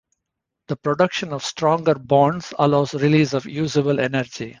The production of stronger bonds allows release of usable energy.